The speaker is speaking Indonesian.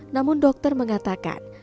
namun dokter mengatakan